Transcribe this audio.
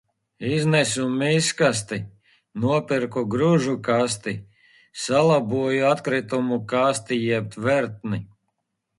Iznesu miskasti, nopirku gružkasti, salaboju atkritumu kasti jeb tvertni.